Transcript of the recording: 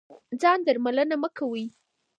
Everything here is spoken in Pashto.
ځان درملنه مه کوئ.